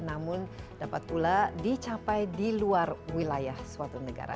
namun dapat pula dicapai di luar wilayah suatu negara